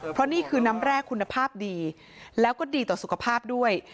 เพราะนี่คือน้ำแร่คุณภาพดีแล้วก็ดีต่อสุขภาพด้วย